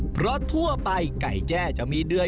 เพราะทั่วไปไก่แจ้จะมีเดือย